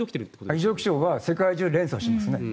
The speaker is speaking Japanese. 異常気象は世界中で連鎖していますね。